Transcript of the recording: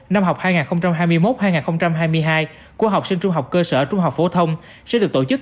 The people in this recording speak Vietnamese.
năm học hai nghìn hai mươi một hai nghìn hai mươi hai của học sinh trung học cơ sở trung học phổ thông sẽ được tổ chức